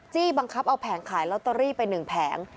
บังคับเอาแผงขายลอตเตอรี่ไป๑แผง